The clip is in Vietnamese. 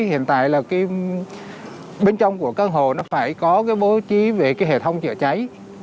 hiện tại là bên trong của căn hồ nó phải có bố trí về hệ thống chữa cháy